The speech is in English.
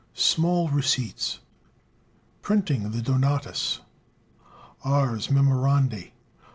Small Receipts. Printing the "Donatus." "Ars Memorandi."